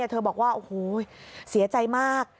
เธอบอกว่าเสียใจมาก